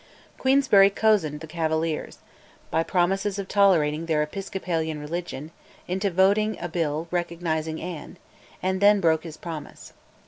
Queensberry cozened the Cavaliers by promises of tolerating their Episcopalian religion into voting a Bill recognising Anne, and then broke his promise.